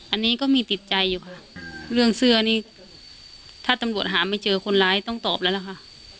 อันนี้ก็มีติดใจอยู่ค่ะเรื่องเสื้อนี่ถ้าตำรวจหาไม่เจอคนร้ายต้องตอบแล้วล่ะค่ะ